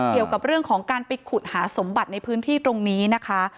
เกี่ยวกับเรื่องของการไปขุดหาสมบัติในพื้นที่ตรงนี้นะคะ